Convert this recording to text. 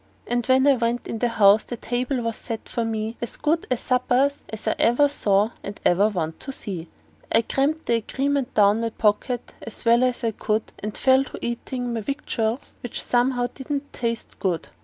And when I went in the house the table was set for me As good a supper's I ever saw, or ever want to see; And I crammed the agreement down my pocket as well as I could, And fell to eatin' my victuals, which somehow didn't taste good.